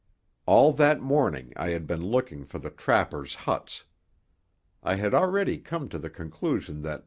All that morning I had been looking for the trappers' huts. I had already come to the conclusion that M.